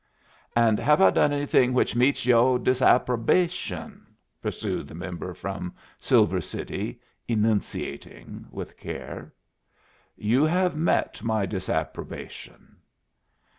"And have I done anything which meets yoh disapprobation?" pursued the member from Silver City, enunciating with care. "You have met my disapprobation."